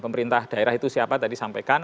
pemerintah daerah itu siapa tadi sampaikan